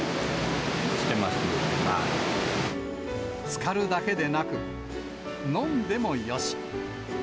つかるだけでなく、飲んでもよし。